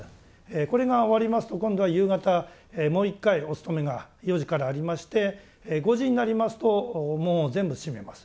これが終わりますと今度は夕方もう一回お勤めが４時からありまして５時になりますと門を全部閉めます。